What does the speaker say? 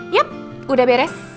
yap udah beres